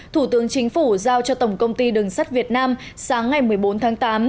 thủ tướng chính phủ giao cho tổng công ty đường sắt việt nam sáng ngày một mươi bốn tháng tám